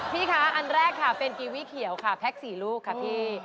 พี่คะอันแรกค่ะเป็นกีวี่เขียวค่ะแพ็ค๔ลูกค่ะพี่